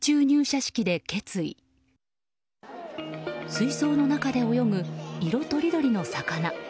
水槽の中で泳ぐ色とりどりの魚。